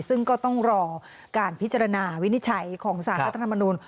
ซึ่งก็ต้องรอการพิจารณาวินิจฉัยของสารรัฐธรรมนูล